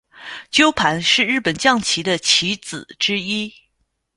鸠盘是日本将棋的棋子之一。